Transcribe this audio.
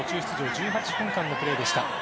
１８分間のプレーでした。